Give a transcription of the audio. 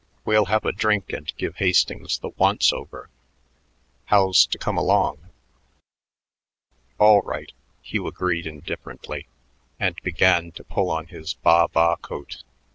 We'll have a drink and give Hastings the once over. How's to come along?" "All right," Hugh agreed indifferently and began to pull on his baa baa coat.